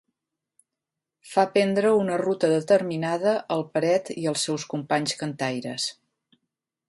Fa prendre una ruta determinada al Peret i els seus companys cantaires.